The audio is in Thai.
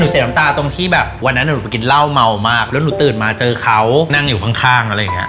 เสียน้ำตาตรงที่แบบวันนั้นหนูไปกินเหล้าเมามากแล้วหนูตื่นมาเจอเขานั่งอยู่ข้างอะไรอย่างเงี้